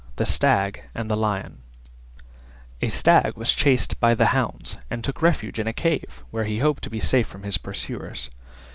THE STAG AND THE LION A Stag was chased by the hounds, and took refuge in a cave, where he hoped to be safe from his pursuers.